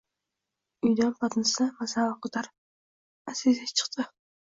Uydan patnisda masalliq koʼtarib, Аziza chiqdi.